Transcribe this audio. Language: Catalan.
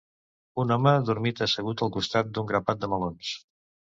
Un home dormita assegut al costat d'un grapat de melons.